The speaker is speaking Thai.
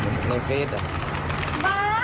บ้าเราไม่ได้ดูถูกทำอะไรแบบนั้น